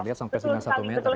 kita lihat sampai satu meter ya